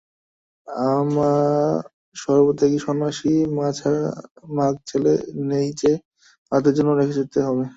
আমরা সর্বত্যাগী সন্ন্যাসী, মাগছেলে নেই যে, তাদের জন্য রেখে যেতে হবে।